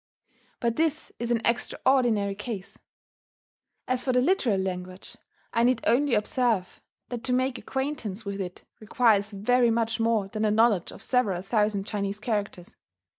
But this is an extraordinary case .... As for the literary language, I need only observe that to make acquaintance with it requires very much more than a knowledge of several thousand Chinese characters.